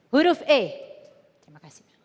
huruf e terima kasih